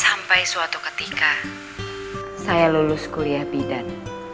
sampai suatu ketika saya lulus kuliah bidan